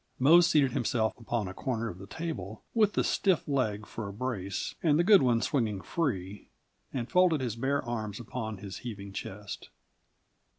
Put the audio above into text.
Mose seated himself upon a corner of the table with the stiff leg for a brace and the good one swinging free, and folded his bare arms upon his heaving chest.